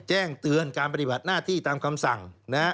แจ้งเตือนการปฏิบัติหน้าที่ตามคำสั่ง